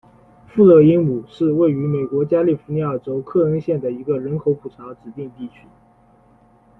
富勒英亩是位于美国加利福尼亚州克恩县的一个人口普查指定地区。